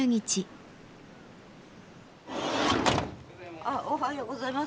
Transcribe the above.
あおはようございます。